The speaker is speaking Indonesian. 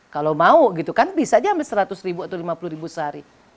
kalau mau gitu kan bisa aja sampai seratus ribu atau lima puluh ribu sehari